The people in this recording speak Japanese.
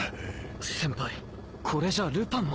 先輩これじゃルパンも。